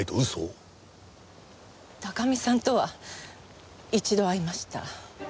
高見さんとは一度会いました。